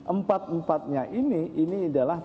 empat empatnya ini adalah